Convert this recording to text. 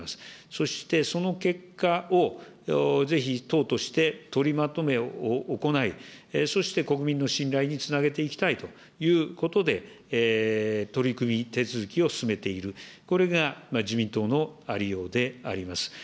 そして、その結果をぜひ、党として取りまとめを行い、そして、国民の信頼につなげていきたいということで、取り組み、手続きを進めている、これが自民党のありようであります。